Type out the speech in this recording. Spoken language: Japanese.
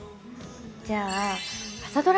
じゃあ「朝ドラ」